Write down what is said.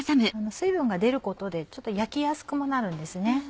水分が出ることでちょっと焼きやすくもなるんですね。